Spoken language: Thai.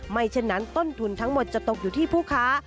เช่นนั้นต้นทุนทั้งหมดจะตกอยู่ที่ผู้ค้า